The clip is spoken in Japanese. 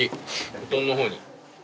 布団の方に。